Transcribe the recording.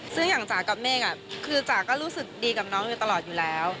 ซึ่งอย่างจ๋ากับเมฆคือจ๋าก็รู้สึกดีกับน้องอยู่ตลอดอยู่แล้ว